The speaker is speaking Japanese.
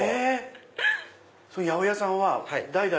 八百屋さんは代々。